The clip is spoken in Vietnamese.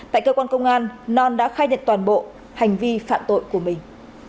tại cơ quan công an đã khai nhận toàn bộ hành vi phạm tội của mình